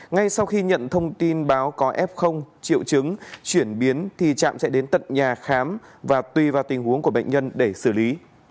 ngay sau khi nhận thông tin báo có f triệu chứng chuyển biến thì trạm sẽ đến tận nhà khám và tùy vào tình huống của bệnh nhân để xử lý